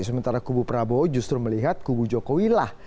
sementara kubu prabowo justru melihat kubu jokowi lah